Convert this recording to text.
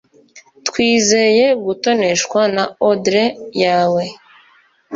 Twizeye gutoneshwa na ordre yawe